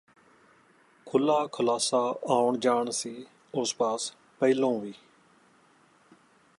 ਖੁੱਲ੍ਹਾ ਖੁਲਾਸਾ ਆਉਣ ਜਾਣ ਸੀ ਉਸ ਪਾਸ ਪਹਿਲੋਂ ਵੀ